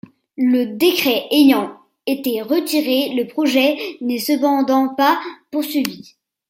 Le décret ayant été retiré, le projet n'est cependant pas poursuivi.